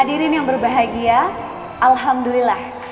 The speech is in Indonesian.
hadirin yang berbahagia alhamdulillah